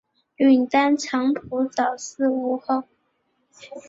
允丹藏卜早逝无后。